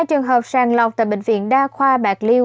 ba trường hợp sàng lọc tại bệnh viện đa khoa bạc liêu